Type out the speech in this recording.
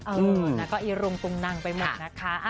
เออนะก็อีรงตุงนังไปหมดนะคะ